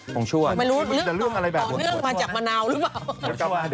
ต่อเนื้อมาจากมะนาวหรือเปล่า